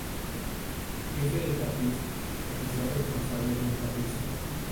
Jefe de tapiz: Oficial responsable de un tapiz.